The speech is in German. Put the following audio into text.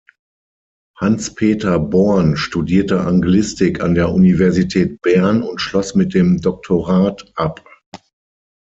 Hanspeter Born studierte Anglistik an der Universität Bern und schloss mit dem Doktorat ab.